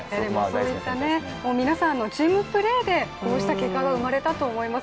そういった皆さんのチームプレーでこうした結果が生まれたと思います。